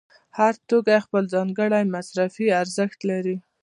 هر توکی خپل ځانګړی مصرفي ارزښت لري